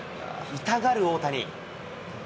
痛がる大谷。